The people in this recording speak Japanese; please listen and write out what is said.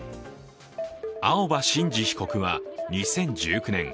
青葉真司被告は２０１９年